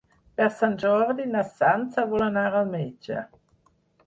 Per Sant Jordi na Sança vol anar al metge.